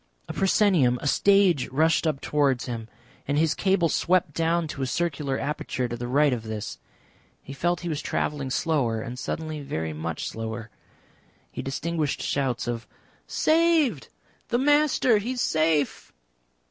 A proscenium, a stage rushed up towards him, and his cable swept down to a circular aperture to the right of this. He felt he was travelling slower, and suddenly very much slower. He distinguished shouts of "Saved! The Master. He is safe!"